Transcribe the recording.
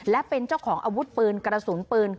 และเป็นเจ้าของอาวุธปืนกระสุนปืน